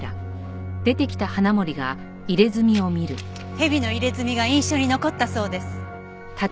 ヘビの入れ墨が印象に残ったそうです。